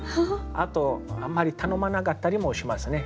あとあんまり頼まなかったりもしますね